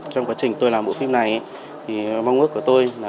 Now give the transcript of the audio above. trong quá trình tôi làm bộ phim này thì mong ước của tôi là